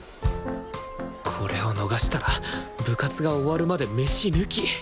これを逃したら部活が終わるまでメシ抜き！